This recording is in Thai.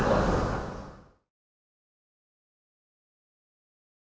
เจ้าตายแล้ว